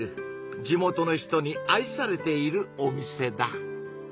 地元の人に愛されているお店だ。